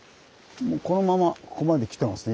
このままここまできてますね